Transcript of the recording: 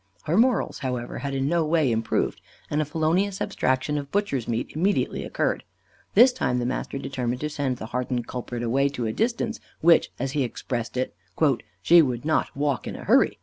Her morals, however, had in no way improved, and a felonious abstraction of butcher's meat immediately occurred. This time the master determined to send the hardened culprit away to a distance, which, as he expressed it, "she would not walk in a hurry."